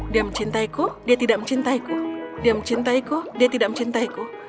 dia mencintaiku dia tidak mencintaiku dia mencintaiku dia tidak mencintaiku